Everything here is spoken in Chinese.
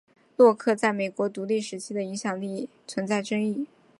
洛克在美国独立时期的影响力存在争议。